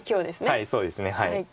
はいそうですね。